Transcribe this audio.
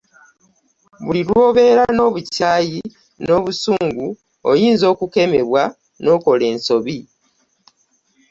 Buli lw'obeera n'obukyayi n'obusungu oyinza okukemebwa n'okola ensobi.